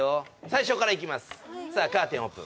最初からいきます